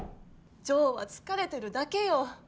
ジョーは疲れてるだけよ。